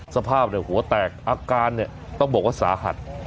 สภาพหัวแตกอาการเนี่ยต้องบอกว่าสาหัส